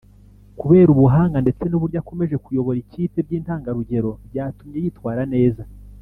kubera ubuhanga ndetse n’uburyo akomeje kuyobora ikipe by’intangarugero byatumye yitwara neza